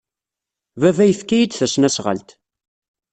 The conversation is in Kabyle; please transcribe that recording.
Baba yefka-iyi-d tasnasɣalt.